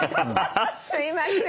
すいません。